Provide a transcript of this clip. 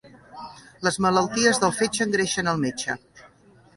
Les malalties del fetge engreixen el metge.